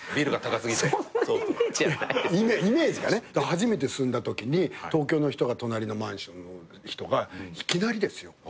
初めて住んだときに東京の人が隣のマンションの人がいきなりですよ。